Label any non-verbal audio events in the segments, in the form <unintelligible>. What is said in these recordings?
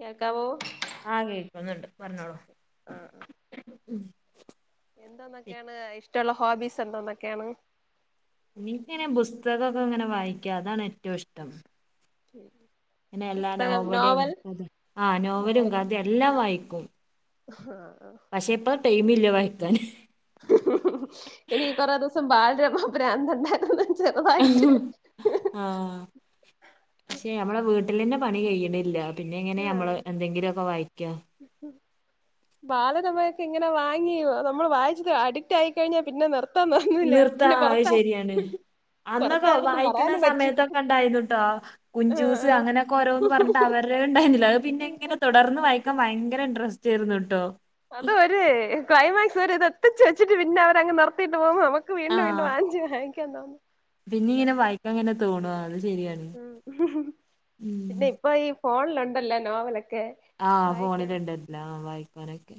കേൾക്കാവോ ആഹ് കേൾക്കുന്നുണ്ട് പറഞ്ഞോളൂ. ആഹ് ആഹ് എന്തോന്നൊക്കേണ് ഇഷ് ട്ടൊള്ള ഹോബീസ് എന്തോന്നൊക്കെയാണ്? എനിക്കങ്ങനെ ബുസ്തകോക്ക ഇങ്ങന വായിക്കാ അതാണ് ഏറ്റവും ഇഷ്ടം. പിന്നെ എല്ലാ പുസ്തകം നോവലും, നോവൽ അതെ ആഹ് നോവലും കഥയും എല്ലാം വായി ഉം ടൈമില്ല വായിക്കാനും. എനിക്ക് കൊറെ ദിവസം ബാലരമ പ്രാന്ത് ഉണ്ടായിരുന്നു. ആഹ് പക്ഷെ നമ്മടെ വീട്ടിൽ. വീട്ടിലിന്റെ പണി കഴിയണില്ല, പിന്നെ എങ്ങനെ നമ്മള് എന്തെങ്കിലുമൊക്കെ വായിക്കാ. ബാലരമ ഒക്കെ ഇങ്ങനെ വാങ്ങിയോ, നമ്മള് വായിച്ചിട്ട് അഡിക്റ്റ് ആയിക്കഴിഞ്ഞാൽ പിന്നെ നിർത്ത്. ത്താൻ തോന്നൂല, നിർത്താ പിന്നെ ആ, അത് പുറത്താ. ശരിയാണ് അന്നൊക്കെ വായിക്കുന്ന സമയത്തൊക്കെ ഉണ്ടായിരുന്നു കേട്ടോ ആ കുഞ്ചൂസ് ആ അങ്ങനെയൊക്കെ ഓരോന്ന് പറഞ്ഞിട്ട് അവർ. അവര് ഉണ്ടായിരുന്നില്ല, അത് പിന്നെ ഇങ്ങനെ തുടർന്ന് വായിക്കാൻ ഭയങ്കര. ഇൻട്രസ്റ്റ് ആയിരുന്നു കേട്ടോ അതൊരു ക്ലൈമാക്സ് ഒരു ഇതാ. ഒപ്പിച്ച് വെച്ചിട്ട് പിന്നെ അവര് അങ്ങ് നിർത്തിയിട്ട് പോകുമ്പോ നമുക്ക് വീണ്ടും വീണ്ടും ആഹ് വാങ്ങിച്ച് വായിക്കാൻ തോന്നും. പിന്നെ ഇങ്ങനെ അങ്ങനെ വായിക്കാൻ ഒക്കെ തോന്നുവാ അത് ശരിയാണ്. ഉം ഉം പിന്നെ ഇപ്പൊ ഈ ഫോൺ ഉണ്ടാലോ നോവല്. ആഹ് ഫോണിൽ ഉണ്ടാലോ ആഹ് വായിക്കാനൊക്കെ.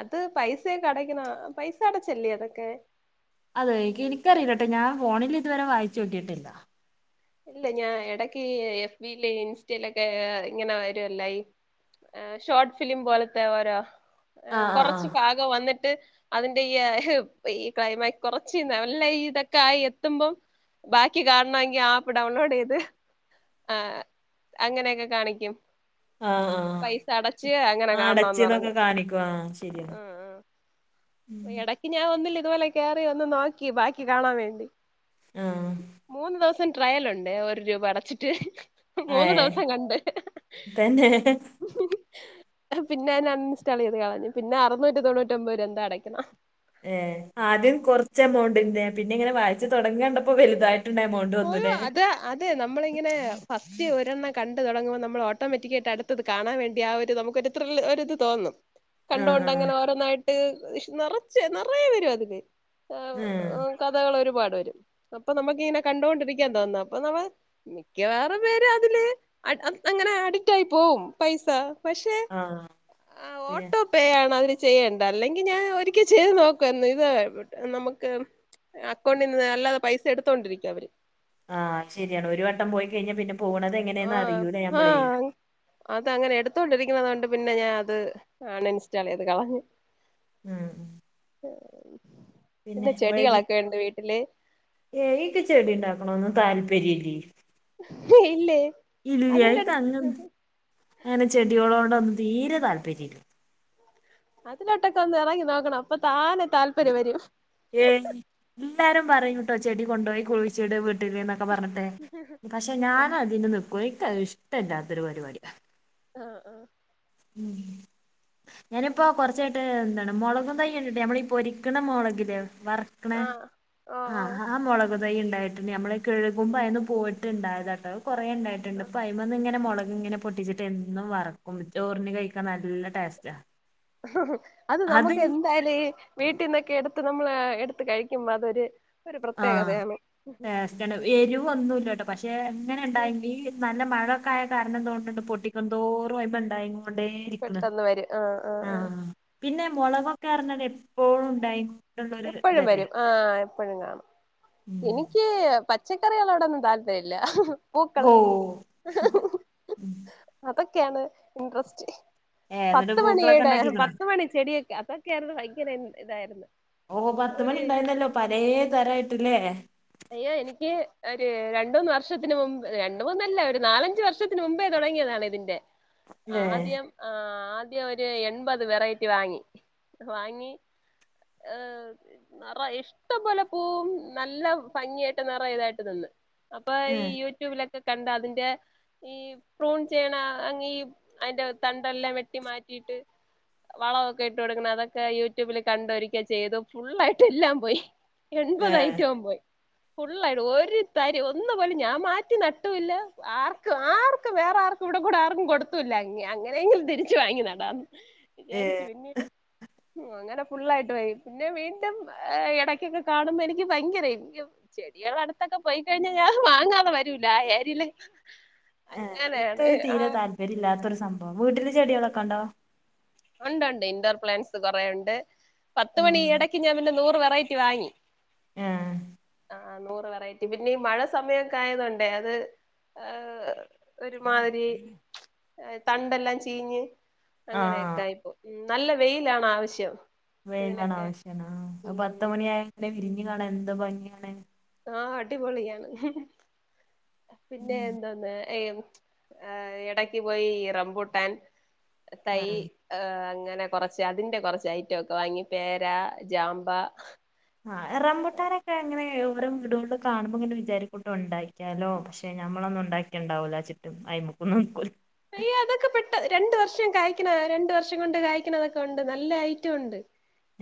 അത് പൈസയൊക്കെ അടക്കണം, പൈസ അടച്ചല്ലേ അതൊക്കെ. അതെ എനിക്കറിയില്ലട്ടോ ഞാൻ ഫോണിൽ ഇതുവരെ വായിച്ചു നോക്കിട്ടില്ല. ഇല്ല ഞാൻ ഇടക്ക് എഫ് ബി യിലെ ഇൻസ്റ്റയിലൊക്കെ ഇങ്ങനെ വരൂലോ ഈ. ഷോർട്ട് ഫിലിം പോലത്തെ ഓരോ, ആഹ് കുറച്ച് ആഹ് പാകം വന്നി ട്ട് അതിന്റെ ഈ ഈ ക്ലൈമാക്സ് കൊറച്ചന്ന് നല്ല ഇതൊക്കെ ആയി എത്തുമ്പോൾ. ബാക്കി കാണണമെങ്കിൽ ആഹ്. ഡൗൺലോഡ് ചെയ്തു ആഹ് അങ്ങനെയൊക്കെ കാണിക്കും. ആഹ് ആഹ് പൈസ അടച്ച് അങ്ങനെ ആഹ് കാണണംന്ന് അടച്ചിന്നൊക്കെ പറഞ്ഞ് കാണിക്കും ആഹ് ശരിയാണ് ആ ഉം ഇടക്ക് ഞാൻ ഒന്നില്ല ഇതുപോലെ കേറി ഒന്ന് നോക്കി ബാക്കി കാണാൻ വേണ്ടി ആഹ് മൂന്ന് ദിവസം ട്രയല ഉണ്ട് ഒരു രൂപ അടച്ചിട്ട് മൂന്ന് ഏഹ് ദിവസം കണ്ട് തന്നെ പിന്നെ ഞൻ അൺ ഇൻസ്റ്റാൾ ചെയ്ത് കളഞ്ഞു പിന്നെ അറുുന്നൂറ്റി തൊണ്ണൂറ്റി ഒമ്പത്ര് എന്താടക്ക ഏ ആദ്യം കൊറച്ച് എമൗണ്ട്ണ്ട് പിന്നെ ഇങ്ങനെ വായിച്ച തുടങ്ങണ്ടപ്പോ വലുതായിട്ട് ഓയോ അത് അതെ നമ്മളിങ്ങനെ പത്തി ഒരെണ്ണം കണ്ട് തുടങ്ങുമ്പോൾ നമ്മൾ ഓട്ടോമാറ്റിക്ക ആയിട്ട് അടുത്തത് കാണാൻ വേണ്ടി ആ ഒരു നമുക്ക്ൊരിത്ര ഒരിത് തോന്നും കണ്ടുകൊണ്ട് ആഹ് അങ്ങനെ ഓരോന്നായിട്ട് നിറച്ച് നിറയെ വരും അതില് ആഹ് കഥകൾ ഒരുപാട് വരും അപ്പൊ നമുക്കിങ്ങനെ കണ്ടൊണ്ടിരിക്കാൻ തോന്ന അപ്പൊ ന മിക്ക വേറ പേര് അതില് അങ്ങനെ അഡിറ്റ്ായി ആഹ് ആഹ് ശരിയാ ോ ചെയ്യണ്ട അല്ലെങ്കിൽ ഞാൻ ഒരിക്കൽ ചെയ്ത് നോക്കുവന്ന് ഇതട്ട് നമുക്ക് അക്കൗണ്ടിൽ നിന്ന് അല്ലാതെ പൈസ എടുത്തോണ്ടിരിക്കും അവര് ആഹ് ശരിയാണ് ഒരു വട്ടം പോയി കഴിഞ്ഞാ പിന്നെ പോണത എങ്ങനെയന്ന് ആഹ് അറിയൂല്ലേ ഞമ്മളെ ത്തൊണ്ടിരിക്കുന്നതൊണ്ട് പിന്നെ ഞാൻ അത് അൺ ഇൻസ്റ്റാൾ ചെയ്ത് കളഞ്ഞു ഉഹ <unintelligible> പിന്നെ വഴകി ചെടികളൊക്കെ ഉണ്ട് വീട്ടില് ഏക്കെ ചെടി ഉണ്ടാക്കണന്ന് താല്പയ പിരിലി ഇല്ലേ അതിന്റെ ഇല്ലായിക്ക അടുത്ത് അങ്ങങ് അങ്ങനെ ചെടികോള കൊണ്ട്ൊന്നും തീരെ താല്പര്യംമല്ല അതിനലൊട്ടക്കൊന്ന് എറങ്ങി നോക്കണം അപ്പൊ താനെ താല്പര്യം വരും ഏ എല്ലാരും പറയും ട്ടോ ചെടി കൊണ്ടുപോയി കുഴിച്ചിട് വീട്ടില്ന്നൊക്കെ പറഞ്ഞിട്ടെ പക്ഷെ ഞാൻ അതിന് നക്കോ ഇഷ്ടമല്ലാത്തൊരു പരിപാടി ആഹ ആഹ ഉം ഞാനിപ്പോ കുറച്ചായിട്ട് എന്താണ് മുളകും തൈ്യണ്ടിട്ട നമ്മളീ പൊരിക്കണ മുളകിലേ വറക്കണ ആഹ് ആഹ് ഓ ഓ ആഹ ആ മുളക കൊറേ ഉണ്ടായിട്ടുണ്ട് നമ്മള കഴുകുമ്പോ അയ്ന്ന് പോയിട്ട്ണ്ടാവൂലട്ടോ കൊറേണ്ടായിട്ട്ണ്ട് പ്പയ്മങ്ങനെ മൊൾ മൊളക് ങ്ങനെ പൊട്ടിച്ച്ട്ട് എന്നും വറക്കും ചോറിന് കഴിക്കാൻ നല്ല ടേസ്റ്റാ അത് നമ്മക്ക് എന്തായാലും ഈ വീട്ടീന്നക്കെ എട്ത്ത് ന നമ്മളാ എട്ത്ത് കഴിക്ക്മ്പതൊര് ആഹ് ടെസ്റ്റണ് എരിവോന്നുല്ലട്ടോ പക്ഷെ എങ്ങനെ ണ്ടായെങ്കിലും ഈ നല്ല മഴേ തൊക്കായ കാരണാതോന്ണ്ണ്ട് പൊട്ടിക്കന്തോറുയ്മെ ണ്ടായികോണ്ട് ണ്ടേ ഇരിക്ക്ണ് പെട്ടെന്ന് വരും ആഹ് ആഹ് പിന്നെം മൊളകൊക്കേർഞ്ഞാ തപ്പോഴും ഉണ്ടായിങ്ങോ എപ്പഴും വരും ആഹ് എപ്പഴും കാണും ഉം എനിക്ക് പച്ചക്കറികളോടൊന്നും താൽപ്പെ ഇല്ല പൂക്കൾ ഓഹ് അതൊക്കെയാണ് ഇൻട്രസ്റ്റ് ഏഹ് എന്നിട്ട് പത്ത് പൂക്കളൊക്കെ മണിടെ ഉണ്ടാക്കിക്കണോ പത്ത് മണി ചെടിഒക്കെ അതൊക്കെയായിരുന്നു ഭയങ്കര ഇതായിരുന്നു ഓ ഒരു പത്തുമണി ണ്ടായിന്നല്ലോ പലേ തരായ്ട്ടുലേ അയ്യോ എനിക്ക് ഒര് രണ്ടൂന്ന് വർഷത്തിന് മുമ്പ് രണ്ട മൂന്നല്ല ഒരു നാലഞ്ച വർഷത്തിന് മുമ്പേ തോ തുടങ്ങിയതാണിതിന്റെ ഏഹ് ആദ്യം ആദ്യം ഒര് എൺപത് വെറൈറ്റി വാങ്ങി വാങ്ങി ഏഹ് നിറ ഇഷ്ടംപോലെ പൂവും നല്ല ഭംഗിയായിട്ട് നിറ ഇതായിട്ട് നിന്ന് അപ്പൊ ഈ ഏഹ് യൂട്യൂബില ക്കെ കണ്ട അതിന്റെ ഈ പ്രൂൺ ചേയ്യ്ണ ഈ അയിന്റെ തണ്ടെല്ലാം വെട്ടി മാറ്റി ഇട്ട് വളമൊക്കെ ഇട്ട് കൊടുക്കണം അതൊക്കെ യൂട്യൂബിലെ കണ്ടൊരു. ഒക്കെ ചെയ്തു ഫുള്ളായിട്ട് എല്ലാം പോയി എൺപത് ഏഹ് ഐറ്റുവും പോയി. ഫുള്ളായിട്ടും ഒരു തരി ഒന്ന് പോലെ ഞാൻ മാറ്റി നട്ടു ഇല്ല ആർക്കും ആർക്കും വേറെ ആർക്കും. കൂടെ കൂടെ ആർക്കും കൊടുത്തൂല്ല അങ്ങനെ അങ്ങനെയെങ്കിലും തിരിച്ച് വാങ്ങി നടാന്ന് വിചാരിച്ചു പിന്നീട് അങ്ങനെ ഫുള്ളായി പിന്നെ വീണ്ടും ഇടക്കൊക്കെ കാണുമ്പോ എനിക്ക് ഭയങ്കര ചെടികൾ അടുത്തൊക്കെ പോയി കഴിഞ്ഞ ഞാൻ വാങ്ങാതെ വരൂല ആ ഏരീ ഏഹ് ഇക്ക് അഹ് തീരെ താല്പര്യം ഇല്ലാത്തൊരു സംഭവം വീട്ടില് ചെടികളൊക്കെ ഉണ്ടോ ഉണ്ട്ണ്ട് ഇൻഡോർ പ്ലാൻസ് കൊറേ ഉണ്ട് പത്ത് മണി ഉം ഇടക്ക് ഞാൻ പിന്നെ നൂറ് <unintelligible> പോയിറ്റ് വാങ്ങി ആഹ് ആഹ് നൂറ് വെറൈറ്റി പിന്നെ ഈ മഴ സമയൊക്കെ ആയതൊണ്ടേ അത് ആഹ് ഒരുമാതിരി തണ്ടെല്ലാം ചീഞ്ഞ് ആഹ് അങ്ങനെയൊക്കെ ആയിപ്പോ നല്ല വെയ്ലാണ് ആവശ്യം വേങ്ങാണ് ഇതിനൊക്കെ ആവശ്യാണോ പത്ത് ഉം മണിയായ വിരിഞ് കാണാ എന്ത് ഭംഗിയാണ്. ആഹ് അടി പൊളിയാണ് പിന്നെ എന്തോന് എ ഏഹ് എടക്ക് പോയി ഇ റംപൂട്ടാൻ തൈ ആഹ് ഏഹ് അങ്ങനെ കൊറച്ച് അതിന്റെ കൊറച്ച് ഐറ്റൊക്കെ വാങ്ങി പേര, ജാംമ്പ. ആഹ് റംപൊട്ടാനെക്കെ ങ്ങനെ ഓരോ വീടോൾലും കാണുമ്പോങ്ങനെ വിചാരിക്കൂട്ടോ ണ്ടാക്ക്യാലോ പക്ഷെ ഞമ്മളൊന്നു ണ്ടാക്ക്യാ ഇണ്ടാവൂല വിചാരിച്ച്ട്ട് അയമക്കൊന്നും ന്ക്കൂല. <unintelligible> അതൊക്കെ പെട്ട രണ്ട് വർഷം കായ്ക്ക്ണ രണ്ട് വർഷം കൊണ്ട് കായ്ക്ക്ണ തൊക്കെ ഉണ്ട് നല്ല ഐറ്റം ഉണ്ട്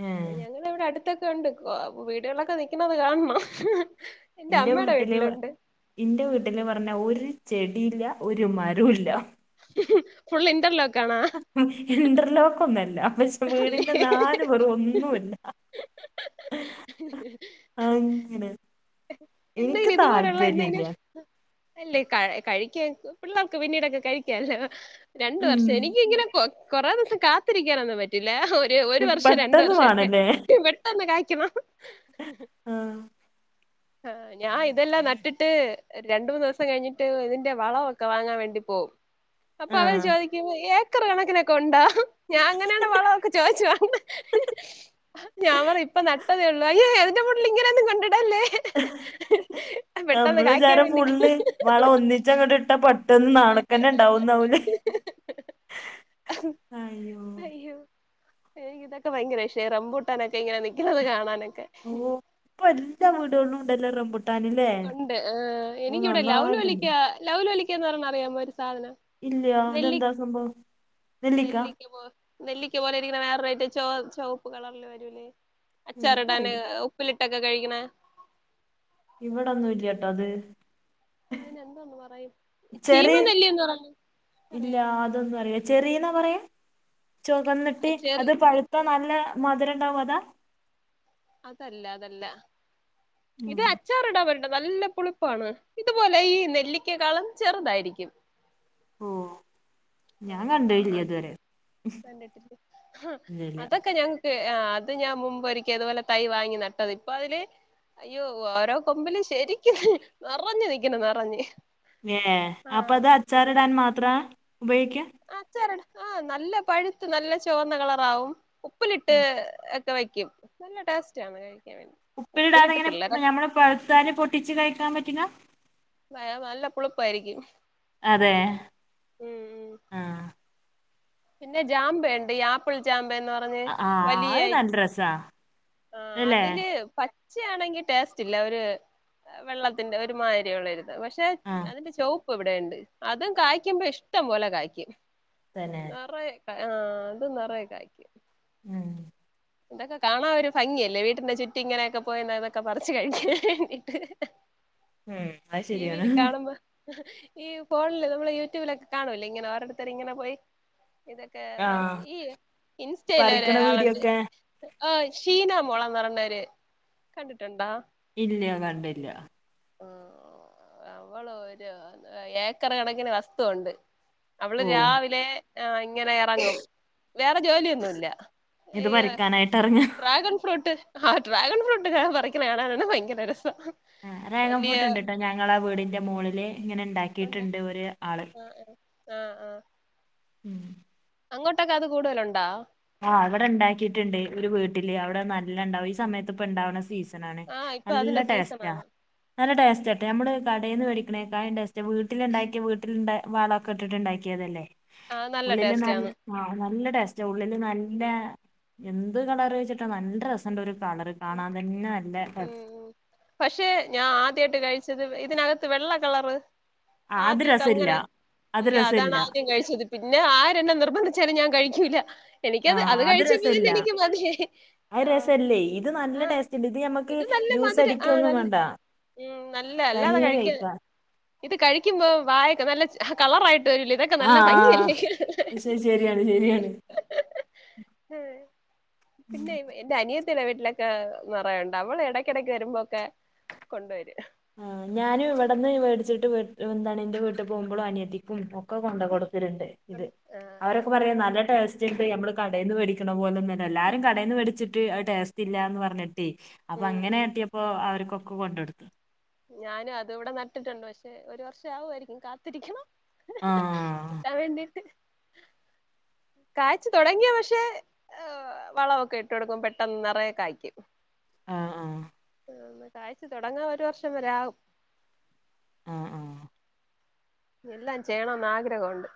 ഏഹ് ഞങ്ങള വടെ അട്ത്തൊക്കെ ഉണ്ട് വീടുകളിലൊക്കെ നിക്കണത് കാണണം. എന്റെ ഇന്റെ അമ്മയുടെ വീട്ടില് വീട്ടിലുണ്ട് ഇന്റെ വീട്ടില് പറഞ്ഞ ഒര് ചെടീല്ല ഒര് മരു ല്ല. ഫുൾ ഇന്റർ ഇന്റർലോക്കൊന്ന മിസ് അല്ലേ വീടിന്റെ നാല് പൊറും ഒന്നുല്ല അങ്ങനെ എനിക്ക് എന്തെങ്കിലും ഇതുപോലുള്ള താല്പര്യല്ല എന്തെങ്കിലും അല്ലേ കഴി കഴിക്കേക്കും പിള്ളേർക്ക് പിന്നീടൊക്കെ കഴിക്ക്യാല്ലോ രണ്ട് ഉം വർഷായി എനിക്ക് ഇങ്ങനെ കൊ കൊറേ ദിവസം കാത്തിരിക്കാനൊന്നും പറ്റില്ല ഒ ര് ഒരു വർഷോ രണ്ട് പെട്ടെന്ന് വർഷൊക്കെ വേണല്ലേ പെട്ടെന്ന് കായ്ക്കണം ആ ആഹ് ഞാൻ ഇതെല്ലാം നട്ടിട്ട് രണ്ട് മൂന്ന് ദിവസം കഴിഞ്ഞിട്ട് ഇതിന്റെ വളവൊക്കെ വാങ്ങാൻ വേണ്ടി പോവും അപ്പൊ ആ അവര് ചോയ്ക്കും ഏക്കർ കണക്കിനൊക്കെ ഉണ്ടോ ഞാ അങ്ങ ങ്ങൻത്തെ വളവൊക്കെ ചോയ്ച്ചു വാങ്ങ ഞാൻ പറയും ഇപ്പം നട്ടതേ ഉള്ളൂ അയ്യോ അയിന്റെ മൂട്ടിൽ ഇങ്ങനെയൊന്നും കൊണ്ട്ട് ആ പെട്ടെന്ന് അമ്മളെ കായ്ക്കാൻ വിജാരം വേണ്ടി ഫുള്ള് വളം ഒന്നിച്ചങ്ങട്ട് ഇട്ടാ പെട്ടെന്ന് നാളെക്കെന്നെ ഇണ്ടാവുംന്നാവൂലേ അയ്യോ അയ്യോ എനിക്ക് ഇതൊക്കെ ഭയങ്കര ഇഷേ റംബൂട്ടാനൊക്കെ ഇങ്ങനെ നിക്കുന്നത് കാണാന് ഓഹ് ഇപ്പൊ എല്ലാ വീടുകളിലും ഇണ്ടെല്ലൊ റംബു ഉണ്ട് എനിക്കിവിടെ ലൗലോലിക്ക നന്നായിട്ടുണ്ട് ലൗലോലിക്കാന്ന് പറയ്ണത് അറിയാമോ സാധനം ഇല്ല നെല്ലി അതെന്താ സംഭവം നെല്ലിക്ക പോ നെല്ലിക്ക പോലെരിക്ക്ണ വേറൊരൈറ്റം ചോ ചൊവപ്പ് കളറില് വരൂലേ അച്ചാറിടാന് എനിക്കറിയില്ല ഉപ്പിലി ഇട്ടൊക്കെ കഴിക്ക്ണേ ഇവിടൊന്നുല്ലട്ടോ അത് പ്പ അയ്നെന്തോന്ന് പറയും ചെറിയ ചീമവല്ലീന്ന് പറയ്ണ പറയ്ണ ചെറീന്നാ പറയാ ചൊവന്നിട്ട് ചെറി അത് പഴ്ത്ത നല്ല മധുരണ്ടാവും അതാ അതല്ല അതല്ല ഇത് ഉം അച്ചാർടാവ നല്ല പുളിപ്പാണ് ഇതുപോലെ ഈ നെല്ലിക്കക്കളം ചെറുതായിരിക്കും ഓ ഞാൻ കണ്ടില്ല ആ ഇതുവരെ കണ്ടിട്ടില്ല ഇല്ലല്ല അതൊക്കെ ഞങ്ങക്ക് ആ അത് ഞാൻ മുമ്പ്ൊരിക്കും അതുപോലെ തൈ വാങ്ങി നട്ടത് ഇപ്പൊ അതില് അയ്യോ ഓരോ കൊമ്പില്ും ശരിക്ക നിറഞ്ഞഞ് നിക്കുന്നു നിറഞ്ഞ് ഏ ആ അപ്പൊ അത് ഉം അച്ചാറിടാൻ മാത്ര ഉപയോഗിക്കൂ ആഹ നല്ല പഴുത്ത് നല്ല ചുവന്ന കളറാവും ഉപ്പിലിട്ട് വയ്ക്കും നല്ല ടേസ്റ്റ് ആണ് കഴ ഉപ്പിലിടാതെങ്ങനെ നമ്മള് പുത്തന്നെ പൊട്ടിച്ചച്ച് കഴിക്കാൻ പറ്റില്ല വ നല്ല പുളിപ്പായിരിക്കും അതെ ഉം ഉം ആഹ പിന്നെ ജാമ്പുണ്ട് ഈ ആപ്പിൾ ജാമ്പന്ന് പറഞ്ഞ് ആ അത് വലിയയി നല്ല രസാ ആ അല്ലേ അതില് പ ഉച്ച ആണെങ്കിൽ ടേസ്റ്റ് ഇല്ല ഒരു വെള്ളത്തിന്റെ ഒരു മതിരിയ ഉള്ളരു പക്ഷെ ആ അതിന്റെ ചുവപ്പ് ഇവിടെുണ്ട് അതും കായ്ക്കുമ്പോ ഇഷ്ടം പോലെ കായ്ക്കും തന്നെ നിറയക്ക ആഹ് അതും നിറയ കായ്ക്ക് ഉം ഇതൊക്കെ കാണാൻ ഒരു ഭംഗിയല്ലേ വീട്ടിന്റെ ചുറ്റി ഇങ്ങനെയൊക്കെ പോയെന്ന അതൊക്കെ പറച്ച്ു കഴിാൻ വേണ്ടിട്ട് ഉം അത് ടി വിൽ ശരിയാണ് കാണുമ്പോ ഈ ഫോണില് നമ്മള് യൂട്യൂബിലൊക്കെ കാണൂല്ലേ ഇങ്ങനെ ഓരുടുത്തർ ഇങ്ങനെ പോയി ഇതൊക്കെ ആ പററച്ച് ഈ ഇൻസ്റ്റയില പറിക്കണ വീഡിയോ ഒരാളുണ്ട് ഒക്കെ ആ് ഷീനാമോളന്ന് പറയണ്ടവര് കണ്ടിട്ടുണ്ടോ ഇല്ല കണ്ടില്ല ആ അവള് ഒരുര് ഏക്കർ കണക്കിന് വസ്തുവുണ്ട് നമ്മള് ഓ രാവിലെ ഇങ്ങനെ ഇറങ്ങും വേറെ ജോലിയൊന്നുമല്ല ഈ ഇത് പറിക്കാനായിട്ട് ഇറങ്ങ ഡ്രാഗൺ ഫ്രൂട്ട് ആഹ ഡ്രാഗൺ ഫ്രൂട്ട് ഞാൻ പററിക്കുന്ന കാണാനാണ് ഭയങ്കര രസം ആ രേഖം വലിയ ഫൂട്ട്ുണ്ട് കേട്ടോ ഞങ്ങള ആ വീടിന്റെ മുകളളില് ഇങ്ങനെ ഉണ്ടാക്കിയിട്ടുണ്ട് ഒരു ആള് ആഹ ഉഹ ആഹ ഉഹ ഉം അങ്ങോട്ടൊക്കെ അത് കൂടുതലുണ്ടോ ആഹ് എവിടെ ഉണ്ടാക്കിട്ടുണ്ട് ഒരു വീട്ടിൽ ആണ് നല്ല ആഹ് ഇപ്പൊ അതിന്റെ ടേസ്റ്റ സീസണാണ് നല്ല ടേസ് ഹ് ആഹ് നല്ല ടേസ്റ്റാണ് ശ് നല്ല ടെ ഉ ഉ വെച്ച്ത് ഇതിനതിന ആ, അത് രസമില്ല അത് അയ്യോ അതാണ് രസമില്ല ആദ്യം കഴിച്ചത് പിന്നെ ആര എന്നാം നിർബന്ധിച് ആ എനിക്കത് അത് കഴിച് രസമില്ല അത് രസല്ലേ ഇത് ആഹ് നല്ല നല്ല ഉം നല്ല അല്ലാതാ തനിയെ കഴിക്കാൻ കഴിക്കാ ഇതൊക്കെ നല്ല ഭംഗിയല്ലേ കാണാൻ ആഹ് ഹാ ആഹ് പക്ഷെ ശരിയാണ് ശരിയാണ് ഹാ ശ് ഗ ആഹ് ഞാനും ഇവിടെന്ന് മേടിച്ചിട്ട് വീ എന്താണ് എൻന്റെ വീട്ടിൽ പോകുമ്പോും അനിയധികം ക്കെ കൊണ്ട് കൊടുക്കൽ ഇണ്ട് ഇത് ആഹ് ആഹ് അവരൊക്കെ പറയാ നല്ല ടേസ്റ്റ്ണ്ട് നമ്മൾ കടേൽനിന്ന് വെടിക്കുന്ന പോലെഅല്ല നല്ല ഉം ഉം ഒകെ കോണ്ടെടുത്ത ഞാൻ അതിവിടെ നട്ടിട്ടുണ്ട് പക്ഷേ ഒരു വർഷം ആകുവരിക്കും കാത്തിരിക്കണം ആഹ് അ എന്നിട്ട് കാഴ്ച്ച തോടങ്ങിയ പക്ഷെ വളവൊക്കെ ഇട്ട് കൊടുകക്കും പെട്ടെന്ന് നിറയെ കായ്ക്കും ആ ആ അന്നാ കായിച്ച് തുടങ്ങാൻ ഒരു വർഷം വരെ ആകും ആ ആ എല്ലാം ചെയ്യണംന്ന് ആഗ്രഹമുണ്ട്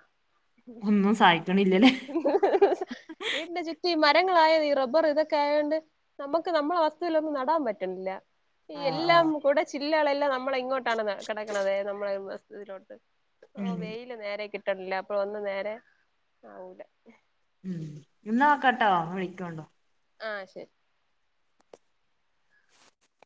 ഒന്നും സഹായിക്കണില്ല ഇ ഹ്ഇ ഹ് വീട്ടിന്റെ ചുറ്റും ഈ മാ മരങ്ങളായത് ഈ റബ്ബർ ഇതൊക്കെ ആതൊണ്ട് നമുക്ക് നമ്മുടെ വസ്തുവിൽ ഒന്നും നടാൻ പറ്റുണില്ല ആഹ് എല്ലാം ആഹ് കൂടെ ചില്ലകളെല്ലാം നമ്മള ഇങ്ങോട്ടാണ് കിടക്കണത നമ്മളെ വീ ഓ ഉം വെയില് നേരെ കിട്ടണില്ല അപ്പ ഒന്നും നേരെ ആവൂല ഉം ഇന്നാ വെക്കട്ടോ വിളിക്കണ്ടോ ആ ശരി